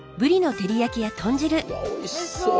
うわっおいしそう。